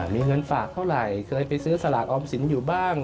มีเงินฝากเท่าไหร่เคยไปซื้อสลากออมสินอยู่บ้าง